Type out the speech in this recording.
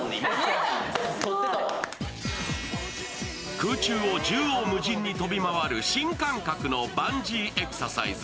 空中を縦横無尽に飛び回る新感覚のバンジーエクササイズ。